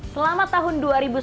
selama tahun dua ribu sembilan belas